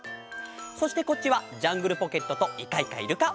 そしてこっちは「ジャングルポケット」と「イカイカイルカ」！